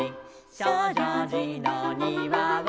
「しょうじょうじのにわは」